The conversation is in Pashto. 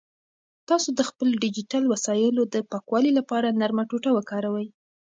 تاسو د خپلو ډیجیټل وسایلو د پاکوالي لپاره نرمه ټوټه وکاروئ.